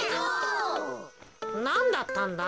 なんだったんだ？